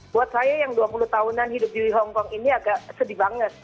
buat saya yang dua puluh tahunan hidup di hongkong ini agak sedih banget